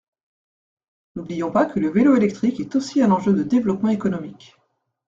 N’oublions pas que le vélo électrique est aussi un enjeu de développement économique.